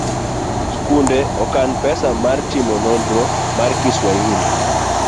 skunde okan pesa mar timo nonro mar kiswahili.